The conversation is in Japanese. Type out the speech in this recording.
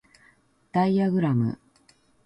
ダイアグラム